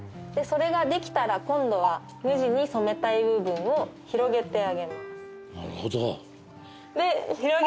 それができたら今度は無地に染めたい部分を広げてあげます。